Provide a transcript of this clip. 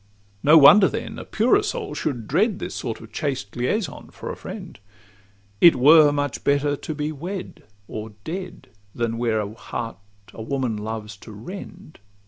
No wonder then a purer soul should dread This sort of chaste liaison for a friend; It were much better to be wed or dead, Than wear a heart a woman loves to rend.